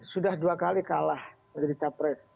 sudah dua kali kalah menjadi capres